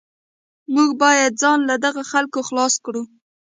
موږ باید ځان له دې خلکو خلاص کړو